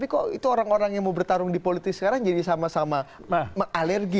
kok itu orang orang yang mau bertarung di politik sekarang jadi sama sama alergi